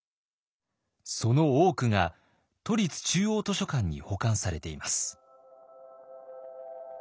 その多くが都立中央図書館に保管されています。